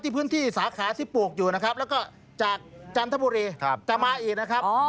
พื้นที่สาขาที่ปลูกอยู่นะครับแล้วก็จากจันทบุรีจะมาอีกนะครับ